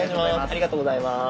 ありがとうございます。